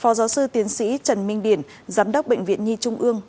phó giáo sư tiến sĩ trần minh điển giám đốc bệnh viện nhi trung ương